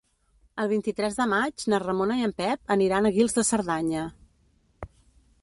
El vint-i-tres de maig na Ramona i en Pep aniran a Guils de Cerdanya.